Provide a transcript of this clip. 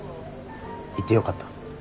行ってよかった？